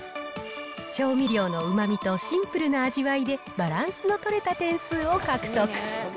調味料のうまみとシンプルな味わいで、バランスの取れた点数を獲得。